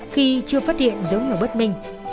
khi chưa phát hiện dấu hiểu bất minh